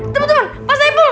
temen temen pasai pul